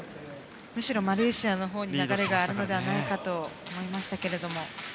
むしろマレーシアの方に流れがあるのではないかと思いましたけども。